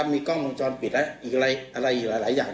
มีกล้องโมงจรปิดและอีกหลายอย่าง